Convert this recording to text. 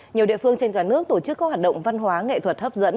nhiều địa phương trên cả nước tổ chức các hoạt động văn hóa nghệ thuật hấp dẫn